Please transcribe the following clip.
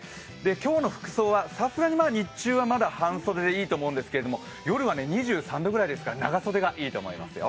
今日の服装はさすがに日中は半袖でいいと思うんですが夜は２３度くらいですから、長袖がいいと思いますよ。